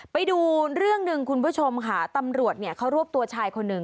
ไปดูเรื่องหนึ่งคุณผู้ชมค่ะตำรวจเนี่ยเขารวบตัวชายคนหนึ่ง